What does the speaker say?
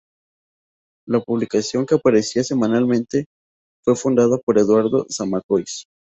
La publicación, que aparecía semanalmente, fue fundada por Eduardo Zamacois.